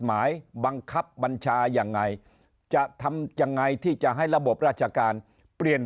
หมายบังคับบัญชายังไงจะทำยังไงที่จะให้ระบบราชการเปลี่ยน